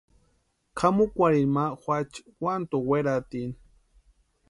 Kʼamukwarini ma juachi Uantoo weratini.